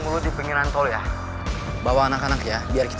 lari lo yang jauh